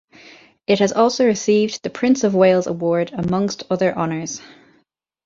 It has also received the Prince of Wales Award, amongst other honours.